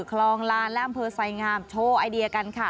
คลองลานและอำเภอไสงามโชว์ไอเดียกันค่ะ